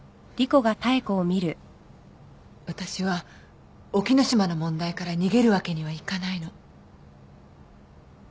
私は沖野島の問題から逃げるわけにはいかないの。